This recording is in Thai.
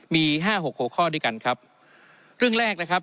มีห้าหกหกข้อด้วยกันครับเรื่องแรกนะครับ